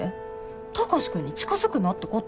貴司君に近づくなってこと？